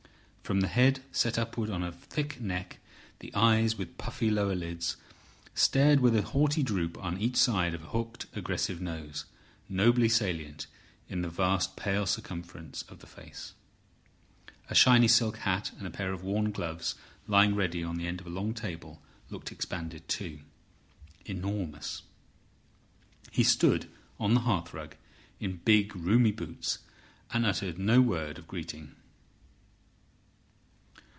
From the head, set upward on a thick neck, the eyes, with puffy lower lids, stared with a haughty droop on each side of a hooked aggressive nose, nobly salient in the vast pale circumference of the face. A shiny silk hat and a pair of worn gloves lying ready on the end of a long table looked expanded too, enormous. He stood on the hearthrug in big, roomy boots, and uttered no word of greeting.